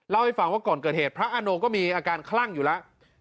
เล่าให้ฟังว่าก่อนเกิดเหตุพระอาโนก็มีอาการคลั่งอยู่แล้ว